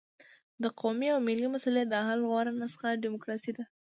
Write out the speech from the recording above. د قومي او ملي مسلې د حل غوره نسخه ډیموکراسي ده.